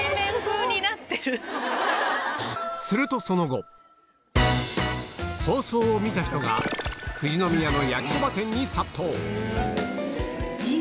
すると放送を見た人が富士宮のやきそば店に殺到！